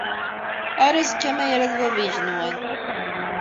Ar azekka, ma irad Bab n yigenwan.